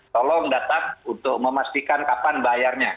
tolong datang untuk memastikan kapan bayarnya